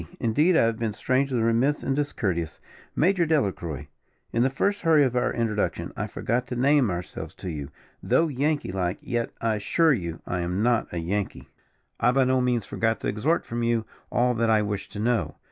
Indeed I have been strangely remiss and discourteous, Major Delacroix. In the first hurry of our introduction, I forgot to name ourselves to you, though Yankee like; yet, I assure you, I am not a Yankee; I by no means forgot to exhort from you all that I wished to know.